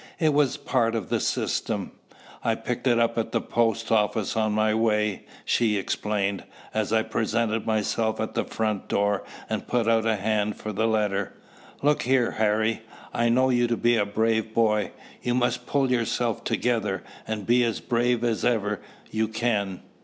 It was a part of the system. "I picked it up at the post office on my way," she explained, as I presented myself at the front door and put out a hand for the letter. "Look here, Harry: I know you to be a brave boy. You must pull yourself together, and be as brave as ever you can.